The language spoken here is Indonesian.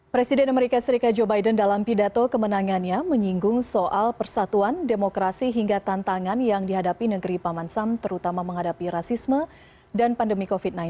presiden amerika serikat joe biden dalam pidato kemenangannya menyinggung soal persatuan demokrasi hingga tantangan yang dihadapi negeri paman sam terutama menghadapi rasisme dan pandemi covid sembilan belas